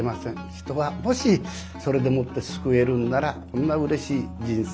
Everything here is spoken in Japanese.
人がもしそれでもって救えるんならこんなうれしい人生はありません。